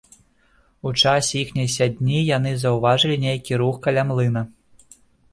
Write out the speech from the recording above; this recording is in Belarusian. У часе іхняй сядні яны заўважылі нейкі рух каля млына.